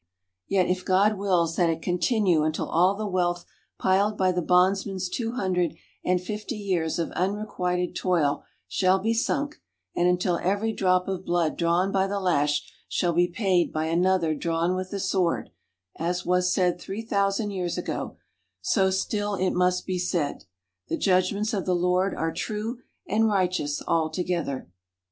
Yet, if God wills that it continue until all the wealth piled by the bondsman's two hundred and fifty years of unrequited toil shall be sunk, and until every drop of blood drawn by the lash shall be paid by another drawn with the sword, as was said three thousand years ago, so still it must be said, "The judgments of the Lord are true and righteous altogether."